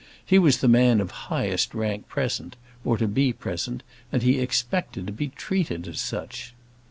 He was the man of highest rank present, or to be present, and he expected to be treated as such.